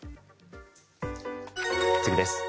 次です。